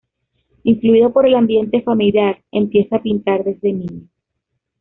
Influido por el ambiente familiar, empieza a pintar desde niño.